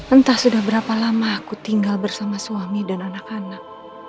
entah sudah berapa lama aku tinggal bersama suami dan anak anak